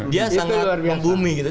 dia sangat membumi gitu